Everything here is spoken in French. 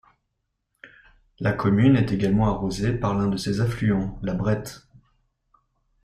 La commune est également arrosée par l'un de ses affluents, la Brette.